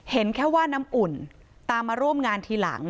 เห็นแค่ว่าน้ำอุ่นตามมาร่วมงานทีหลัง